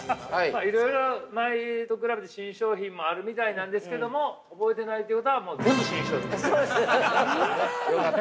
いろいろ、前と比べて新商品もあるみたいなんですけども覚えてないということは全部新商品です。